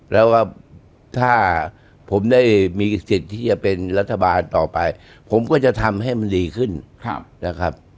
แล้วว่าถ้าผมได้มีสิทธิ์ที่จะเป็นรัฐบาลต่อไปผมก็จะทำให้มันดีขึ้นนะครับ